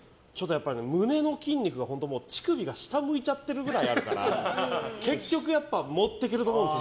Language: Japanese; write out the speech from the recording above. やっぱり胸の筋肉が乳首が下向いちゃってるくらいあるから結局、持っていけると思うんです